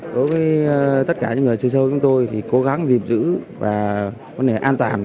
đối với tất cả những người truyền thống chúng tôi thì cố gắng dịp giữ và an toàn